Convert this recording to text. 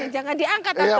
jangan diangkat aku